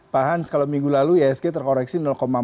pak hans kalau minggu lalu ysg terkoreksi empat puluh empat